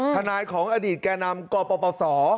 ทนายของอดีตแก่นำกปศ